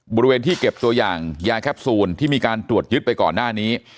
บริเวณที่เก็บตัวอย่างยาแคปซูลที่มีการตรวจยึดไปก่อนหน้านี้